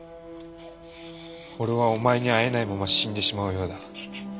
俺はお前に会えないまま死んでしまうようだ。